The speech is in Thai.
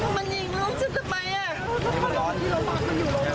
มันหัวฉีกเข้ามาทุกอย่าง